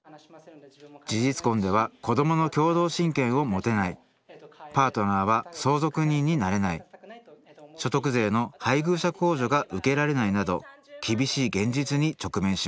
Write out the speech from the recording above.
事実婚では子どもの共同親権を持てないパートナーは相続人になれない所得税の配偶者控除が受けられないなど厳しい現実に直面します